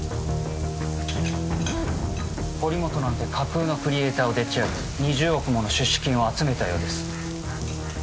堀本なんて架空のクリエイターをでっち上げ２０億もの出資金を集めたようです